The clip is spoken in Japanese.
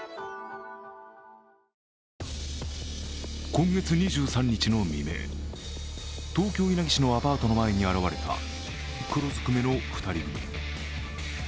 今月２３日の未明、東京・稲城市のアパートの前に現れた黒ずくめの２人組。